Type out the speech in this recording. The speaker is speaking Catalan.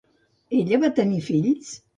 Ella va tenir fills?